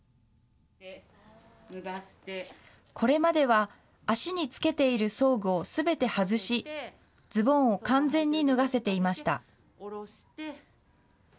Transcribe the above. これまでは、足につけている装具をすべて外し、ズボンを完全に脱がせていました。